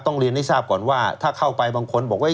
เรียนให้ทราบก่อนว่าถ้าเข้าไปบางคนบอกว่า